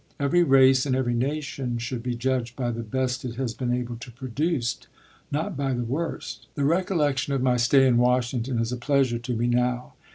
Every race and every nation should be judged by the best it has been able to produce, not by the worst." The recollection of my stay in Washington is a pleasure to me now.